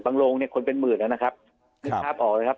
บางโรงคนเป็นหมื่นแล้วนะครับ